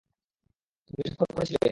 তুমি স্বাক্ষর করেছিলে?